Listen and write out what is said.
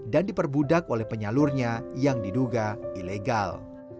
dan diperbudak oleh penyalurnya yang diduga ilegal